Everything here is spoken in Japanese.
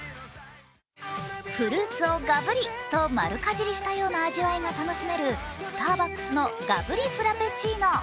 フルーツをがぶりと丸かじりしたような味わいが楽しめるスターバックスのＧＡＢＵＲＩフラペチーノ。